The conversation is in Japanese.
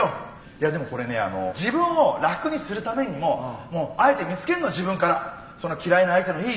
いやでもこれねあの自分を楽にするためにもあえて見つけんの自分からその嫌いな相手のいいところを。